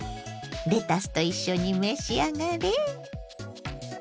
レタスと一緒に召し上がれ。